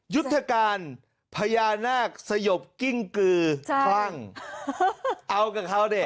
ยุทธการพญานาคสยบกิ้งกือคลั่งเอากับเขาดิ